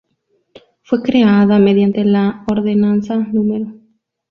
Fue creada mediante la ordenanza No.